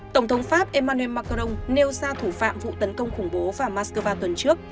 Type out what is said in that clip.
tổng thống pháp emmanuel macron nêu ra thủ phạm vụ tấn công khủng bố vào mắc cơ va tuần trước